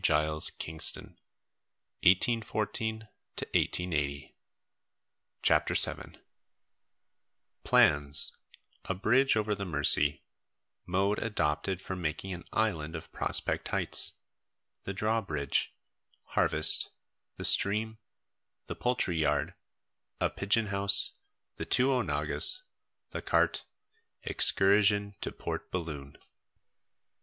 [Illustration: ENGAGING THE NEW SERVANT] CHAPTER VII Plans A Bridge over the Mercy Mode adopted for making an Island of Prospect Heights The Drawbridge Harvest The Stream The Poultry Yard A Pigeon house The two Onagas The Cart Excursion to Port Balloon.